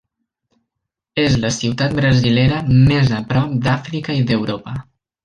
És la ciutat brasilera més a prop d'Àfrica i d'Europa.